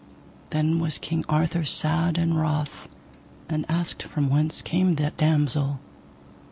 Then was King Arthur sad and wroth, and asked from whence came that damosel.